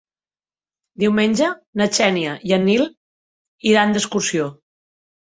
Diumenge na Xènia i en Nil iran d'excursió.